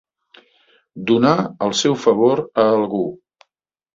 Donar el seu favor a algú.